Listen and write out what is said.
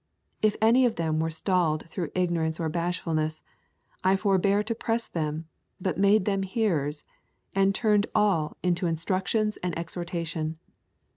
If any of them were stalled through ignorance or bashfulness, I forbore to press them, but made them hearers, and turned all into instruction and exhortation.